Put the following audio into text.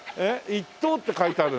１等って書いてある。